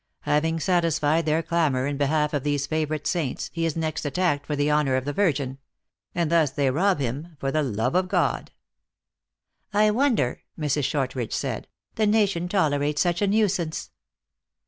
Having satisfied their clamor in behalf of these favorite saints, he is next attacked 206 THE ACTRESS IN HIGH LIFE. for the honor of the Virgin ; and thus they rob him, for the love of God." " I wonder," Mrs. Shortridge said, " the nation tol erates such a nuisance."